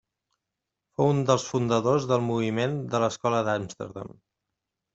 Fou un dels fundadors del moviment de l'Escola d'Amsterdam.